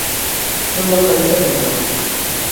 Non me parece normal.